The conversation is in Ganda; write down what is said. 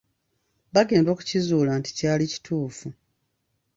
Bagenda okukizuula nti kyali kituufu.